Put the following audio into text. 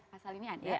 pasal ini ada